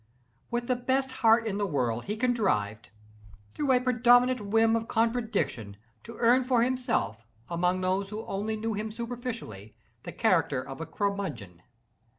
With the best heart in the world, he contrived, through a predominant whim of contradiction, to earn for himself, among those who only knew him superficially, the character of a curmudgeon.